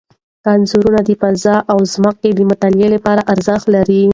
انځور د فضا او ځمکې د مطالعې لپاره ارزښت لري.